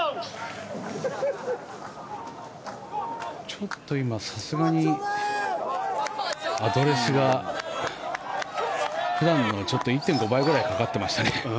ちょっと今、さすがにアドレスが普段の１．５倍ぐらいかかっていましたね。